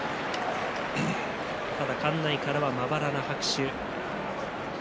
ただ館内からは、まばらな拍手。